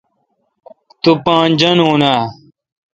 تو پان جانون اں؟